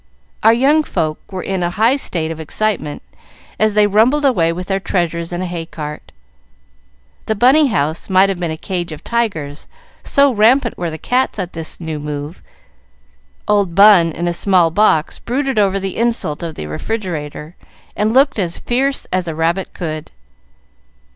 Our young folks were in a high state of excitement, as they rumbled away with their treasures in a hay cart. The Bunny house might have been a cage of tigers, so rampant were the cats at this new move. Old Bun, in a small box, brooded over the insult of the refrigerator, and looked as fierce as a rabbit could.